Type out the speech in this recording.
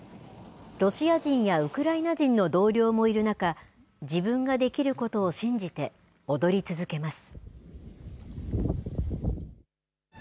ロシア人やウクライナ人の同僚もいる中、自分ができることを信じて、踊り続けます。